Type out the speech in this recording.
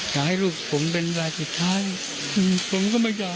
อยากให้ลูกผมเป็นราชิตไทยผมก็ไม่อยาก